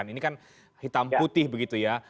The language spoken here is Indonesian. ini kan hitam putih begitu ya